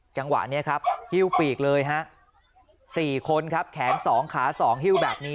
จังหวะนี้ครับหิ้วปีกเลยฮะ๔คนครับแขน๒ขา๒ฮิ้วแบบนี้